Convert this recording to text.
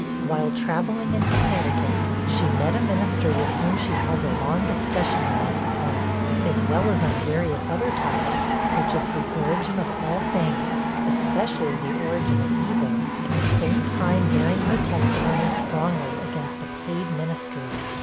While travelling in Connecticut, she met a minister, with whom she held a long discussion on these points, as well as on various other topics, such as the origin of all things, especially the origin of evil, at the same time bearing her testimony strongly against a paid ministry.